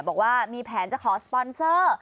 บอกว่ามีแผนจะขอสปอนเซอร์